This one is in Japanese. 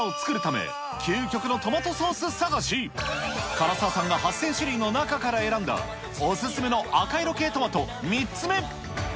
唐沢さんが８０００種類の中から選んだ、お勧めの赤色系トマト３つ目。